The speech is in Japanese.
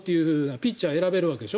ピッチャーは選べるんでしょ？